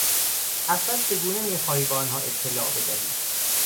اصلا چگونه میخواهی به آنها اطلاع بدهی؟